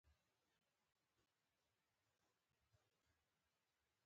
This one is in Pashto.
ملي دولت پخوا استعماري توطیه بلل کېده.